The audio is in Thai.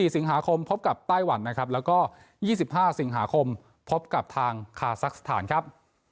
๔สิงหาคมพบกับไต้หวันนะครับแล้วก็๒๕สิงหาคมพบกับทางคาซักสถานครับ